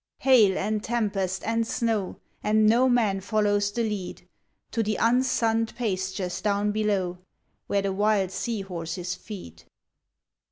Hail and tempest and snow, And no man follows the lead To the unsunned pastures down below Where the wild sea horses feed.